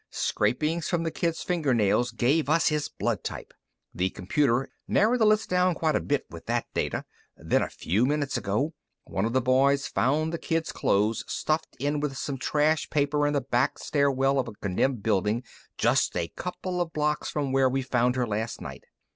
Scrapings from the kid's fingernails gave us his blood type. The computer narrowed the list down quite a bit with that data. Then, a few minutes ago, one of the boys found the kid's clothes stuffed in with some trash paper in the back stairwell of a condemned building just a couple of blocks from where we found her last night.